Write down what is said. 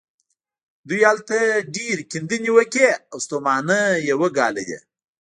دوی هلته ډېرې کيندنې وکړې او ستومانۍ يې وګاللې.